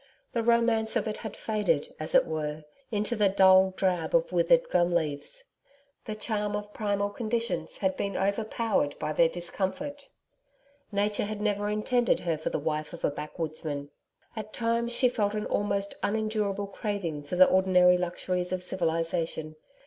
The romance of it had faded, as it were, into the dull drab of withered gum leaves. The charm of primal conditions had been overpowered by their discomfort. Nature had never intended her for the wife of a backwoodsman. At times she felt an almost unendurable craving for the ordinary luxuries of civilisation.